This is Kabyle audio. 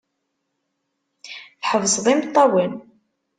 Tḥebseḍ imeṭṭawen.